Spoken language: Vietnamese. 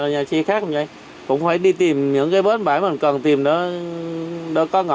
nhà xe khác cũng vậy cũng phải đi tìm những cái bến bãi mình cần tìm để có ngõ